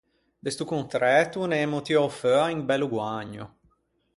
Da sto contræto ne emmo tiou feua un bello guägno.